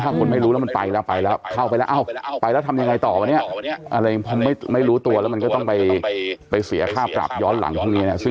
ถ้าคนไม่รู้แล้วมันไปแล้วข้อไปแล้วเอ้าไปแล้วทำยังไงต่อมาไม่รู้ตัวมันก็จะต้องไปเสียค่าจากย้อนหลังตรงนี้